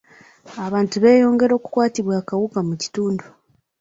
Abantu beeyongera okukwatibwa akawuka mu kitundu.